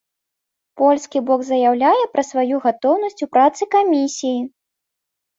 Польскі бок заяўляе пра сваю гатоўнасць у працы камісіі.